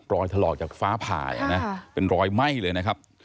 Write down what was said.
รอยทะลอกจากฟ้าผายังนั้นเป็นรอยไหม้เลยนะครับ